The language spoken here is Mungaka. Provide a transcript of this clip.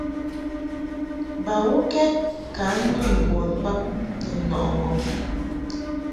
Bawukɛd ka ndun bon bab ni nɔʼɨ ŋgɔŋ.